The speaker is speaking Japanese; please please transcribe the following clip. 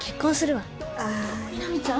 南ちゃん？